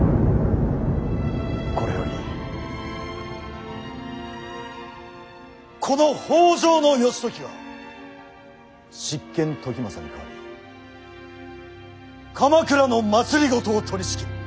これよりこの北条義時が執権時政に代わり鎌倉の政を取りしきる。